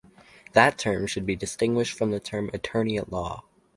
That term should be distinguished from the term "attorney-at-law".